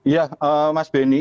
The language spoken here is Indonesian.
ya mas beni